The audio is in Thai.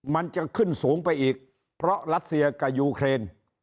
มันจะขึ้นสูงไปอีกเพราะรัสเซียกับยูเครน